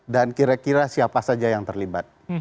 dan kira kira siapa saja yang terlibat